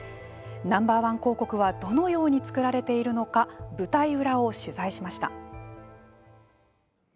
Ｎｏ．１広告はどのように作られているのか舞台裏を取材しました。